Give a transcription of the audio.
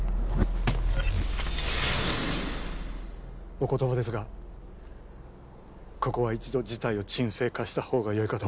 お言葉ですがここは一度事態を沈静化したほうが良いかと。